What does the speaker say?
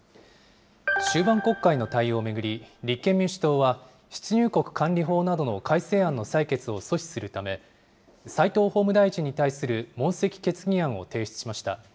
終盤国会の対応を巡り、立憲民主党は、出入国管理法などの改正案の採決を阻止するため、齋藤法務大臣に対する問責決議案を提出しました。